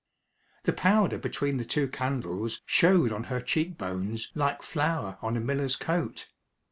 The powder between the two candles showed on her cheek bones like flour on a miller's coat.